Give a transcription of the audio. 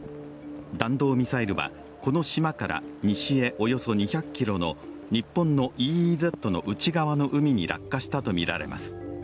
弾道ミサイルはこの島から西へおよそ２００ｋｍの日本のＥＥＺの内側の海に落下したとみられます。